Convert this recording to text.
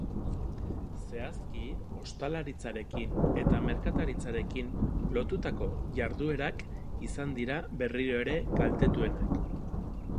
Zehazki, ostalaritzarekin eta merkataritzarekin lotutako jarduerak izan dira berriro ere kaltetuenak.